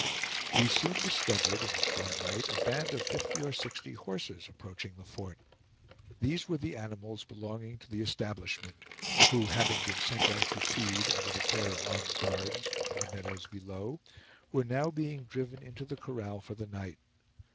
We soon discovered, in the twilight, a band of fifty or sixty horses approaching the fort. These were the animals belonging to the establishment; who having been sent out to feed, under the care of armed guards, in the meadows below, were now being driven into the corral for the night.